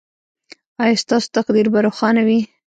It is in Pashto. ایا ستاسو تقدیر به روښانه وي؟